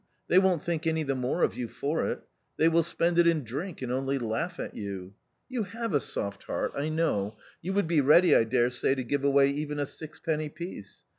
They won't think any the more of you for it. They will spend it in drink and only laugh at you. You have a soft heart, I know; you would be ready, I dare say, to give away even a sixpenny piece.